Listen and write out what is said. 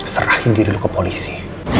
serahin diri dulu ke polisi